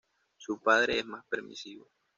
Su padre es más permisivo.